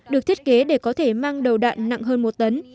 được thiết kế để có thể mang đầu đạn nặng hơn một tấn